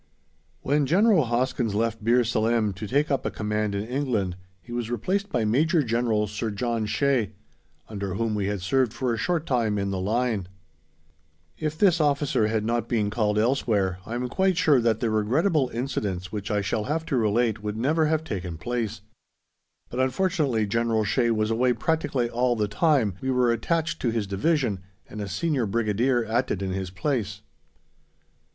When General Hoskin left Bir Salem to take up a command in England he was replaced by Major General Sir John Shea, under whom we had served for a short time in the line. If this officer had not been called elsewhere, I am quite sure that the regrettable incidents which I shall have to relate would never have taken place; but, unfortunately, General Shea was away practically all the time we were attached to his Division, and a senior Brigadier acted in his place.